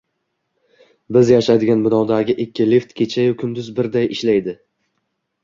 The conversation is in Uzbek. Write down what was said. Biz yashaydigan binodagi ikki lift kechayu-kunduz birday ishlaydi.